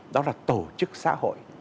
đó là tổ chức xã hội